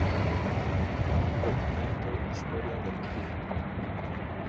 Documento historia del Tiple